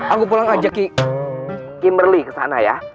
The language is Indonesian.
aku pulang ajak kimberly kesana ya